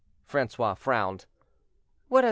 Francois frowned. "What has M.